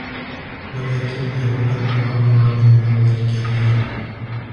وَلَكِنَّهُ قَدْ يُعَرَّى مِنْ بَعْضِ الْكَلَامِ